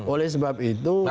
oleh sebab itu kita